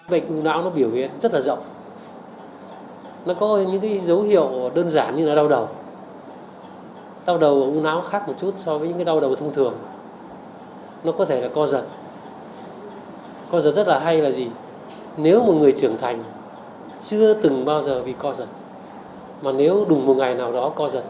mà nếu đùng một ngày nào đó co giật thì tám mươi chín mươi là u não